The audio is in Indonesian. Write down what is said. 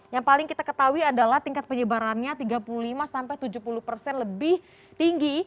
yang paling kita ketahui adalah tingkat penyebarannya tiga puluh lima sampai tujuh puluh persen lebih tinggi